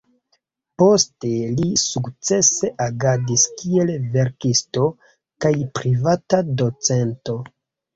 Poste li sukcese agadis kiel verkisto kaj privata docento.